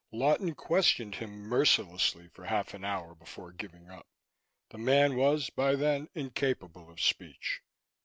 Lawton questioned him mercilessly for half an hour before giving up. The man was by then incapable of speech.